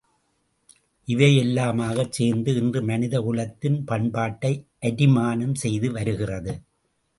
இவையெல்லாமாகச் சேர்ந்து இன்று மனித குலத்தின் பண்பாட்டை அரிமானம் செய்து வருகிறது.